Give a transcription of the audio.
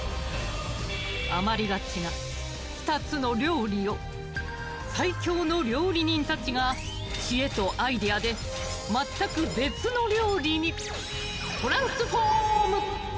余りがちな２つの料理を最強の料理人たちが知恵とアイデアで全く別の料理にトランスフォーム。